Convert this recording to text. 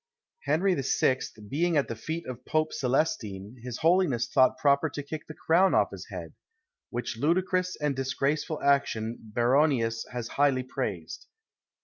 Henry VI. being at the feet of Pope Celestine, his holiness thought proper to kick the crown off his head; which ludicrous and disgraceful action Baronius has highly praised.